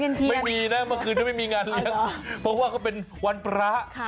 ไม่มีนะเมื่อคืนนี้ไม่มีงานเลี้ยงเพราะว่าเขาเป็นวันพระ